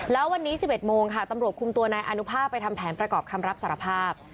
แล้ววันนี้๑๑โมงค่ะตำรวจคุมตัวนายอนุภาพไปทำแผนประกอบคำรับสารภาพ